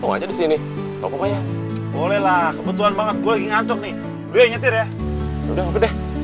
tuh lihat ini remnya plung